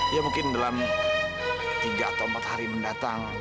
ya mungkin dalam tiga atau empat hari mendatang